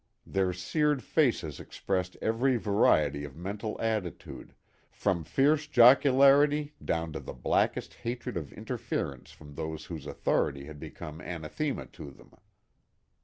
Their seared faces expressed every variety of mental attitude, from fierce jocularity down to the blackest hatred of interference from those whose authority had become anathema to them.